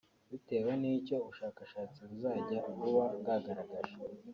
bitewe n’icyo ubushakashatsi buzajya buba bwagaragaje